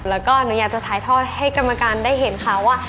แล้วก็หนูอยากจะถ่ายทอดให้กรรมการได้เห็นค่ะว่า